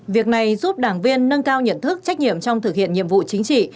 việc này giúp đảng viên nâng cao nhận thức trách nhiệm trong thực hiện nhiệm vụ chính trị